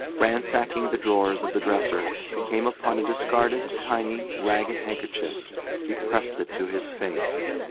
Ransacking the drawers of the dresser he came upon a discarded, tiny, ragged handkerchief. He pressed it to his face.